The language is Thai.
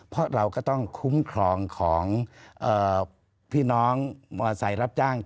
เพราะเราก็ต้องคุ้มครองของพี่น้องมอเซล์รับจ้าง